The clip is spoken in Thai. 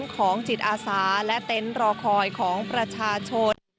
ของจิตอาสาและเต็นต์รอคอยของประชาชน